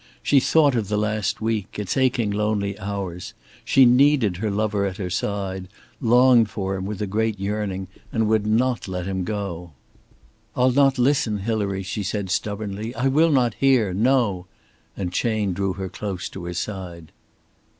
She thought of the last week, its aching lonely hours. She needed her lover at her side, longed for him with a great yearning, and would not let him go. "I'll not listen, Hilary," she said stubbornly. "I will not hear! No"; and Chayne drew her close to his side.